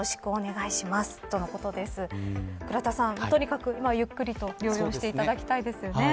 とにかく今、ゆっくりと療養していただきたいですね。